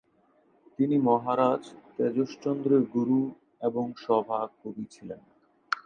তিনি মহারাজ তেজশ্চন্দ্রের গুরু এবং সভাকবি ছিলেন।